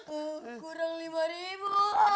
kurang lima ribu